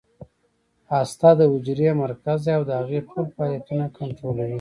هسته د حجرې مرکز دی او د هغې ټول فعالیتونه کنټرولوي